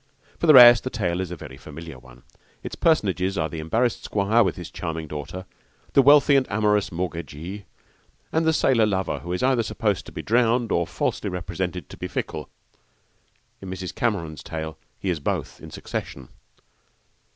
For the rest, the tale is a very familiar one. Its personages are the embarrassed squire with his charming daughter, the wealthy and amorous mortgagee, and the sailor lover who is either supposed to be drowned or falsely represented to be fickle in Mrs. Cameron's tale he is both in succession.